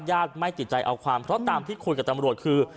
ไม่ติดใจเอาความเพราะตามที่คุยกับตำรวจคือ